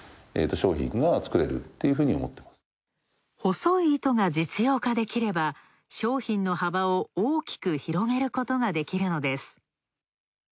細い糸が実用化できれば商品の幅を大きく広げることができるのです。